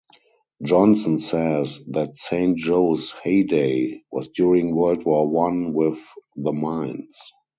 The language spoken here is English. Johnson says that Saint Joe's heyday was during World War One with the mines.